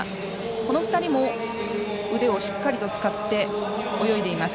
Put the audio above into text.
この２人も腕をしっかりと使って泳いでいます。